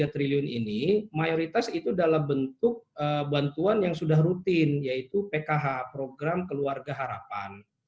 tiga triliun ini mayoritas itu dalam bentuk bantuan yang sudah rutin yaitu pkh program keluarga harapan